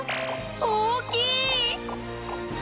大きい！